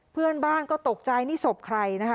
เพื่อนบ้านก็ตกใจนี่ศพใครนะคะ